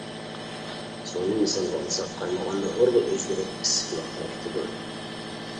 سۇنى مىسالغا ئالساق قاينىغاندا ھورغا ئۆزگىرىپ ئىسسىقلىق تارقىتىدۇ.